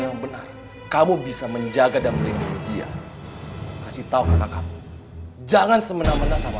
yang benar kamu bisa menjaga dan melindungi dia kasih tahu karena kamu jangan semena mena sama